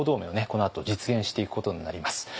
このあと実現していくことになります。